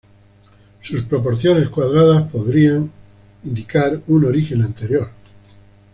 Sus proporciones cuadradas podría indicar un origen anterior.